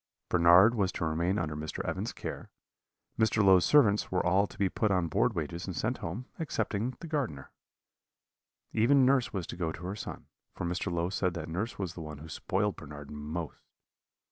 Bernard was to remain under Mr. Evans's care; Mr. Low's servants were all to be put on board wages and sent home, excepting the gardener. Even nurse was to go to her son, for Mr. Low said that nurse was the one who spoiled Bernard most.